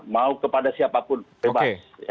mau kepada siapapun bebas